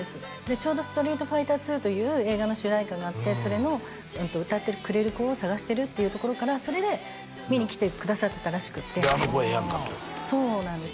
ちょうど「ストリートファイターⅡ」という映画の主題歌があってそれの歌ってくれる子を探してるっていうところからそれで見に来てくださってたらしくてであの子ええやんかとそうなんです